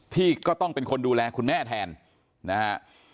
ที่ก็ต้องเป็นคนดูแลคุณแม่แทนนะฮะ